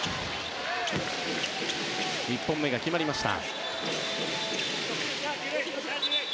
１本目、決まりました。